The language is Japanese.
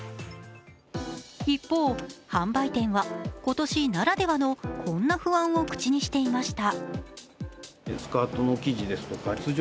一方、販売店は今年ならではのこんな不安を口にしていました。